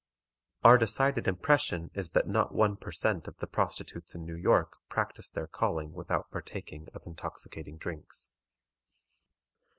_Our decided impression is that not one per cent. of the prostitutes in New York practice their calling without partaking of intoxicating drinks.